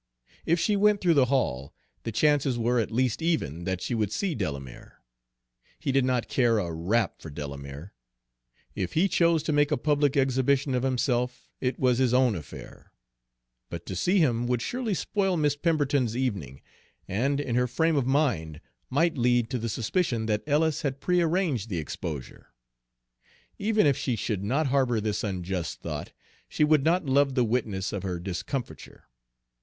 If she went through the hall, the chances were at least even that she would see Delamere. He did not care a rap for Delamere, if he chose to make a public exhibition of himself, it was his own affair; but to see him would surely spoil Miss Pemberton's evening, and, in her frame of mind, might lead to the suspicion that Ellis had prearranged the exposure. Even if she should not harbor this unjust thought, she would not love the witness of her discomfiture.